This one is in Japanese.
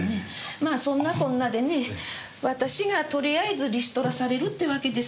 まあそんなこんなでね私がとりあえずリストラされるってわけです。